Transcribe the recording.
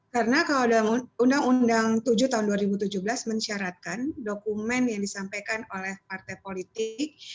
karena kalau dalam undang undang tujuh tahun dua ribu tujuh belas menisyaratkan dokumen yang disampaikan oleh partai politik